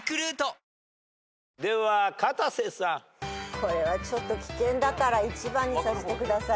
これはちょっと危険だから１番にさせてください。